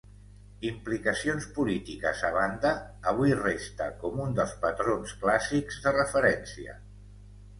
Implicacions polítiques a banda, avui resta com un dels patrons clàssics de referència.